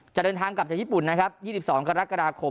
จะเดินทางกลับจากญี่ปุ่นนะครับ๒๒กรกฎาคม